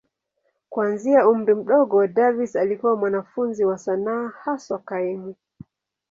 Kuanzia umri mdogo, Davis alikuwa mwanafunzi wa sanaa, haswa kaimu.